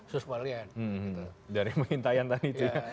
suspalian dari pengintaian tadi itu ya